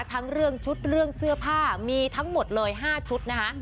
ทั้งเรื่องชุดเรื่องเสื้อผ้ามีทั้งหมดเลย๕ชุดนะคะ